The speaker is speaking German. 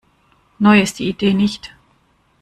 Neu ist die Idee nicht.